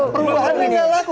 perubahannya tidak laku